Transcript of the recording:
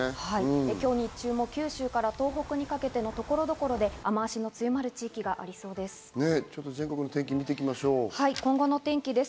今日日中も九州から東北にかけての所々で雨脚の強まる地域がありそうです。